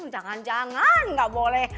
jangan jangan nggak boleh